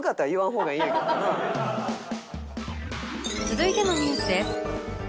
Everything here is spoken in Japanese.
続いてのニュースです